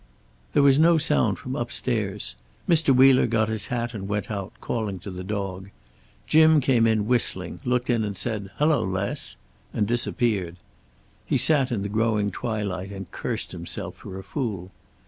There was no sound from upstairs. Mr. Wheeler got his hat and went out, calling to the dog. Jim came in whistling, looked in and said: "Hello, Les," and disappeared. He sat in the growing twilight and cursed himself for a fool.